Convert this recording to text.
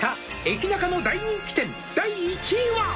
「駅ナカの大人気店第１位は」